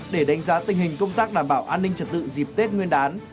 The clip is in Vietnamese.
để đánh giá tình hình công tác đảm bảo an ninh trật tự dịp tết nguyên đán